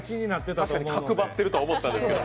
確かに角張ってると思ってたんですけど。